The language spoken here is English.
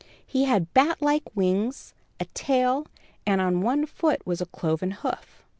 He had bat like wings, a tail, and on one foot was a cloven hoof.